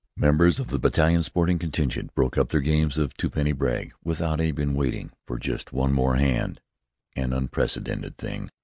Members of the battalion's sporting contingent broke up their games of tuppenny brag without waiting for "just one more hand," an unprecedented thing.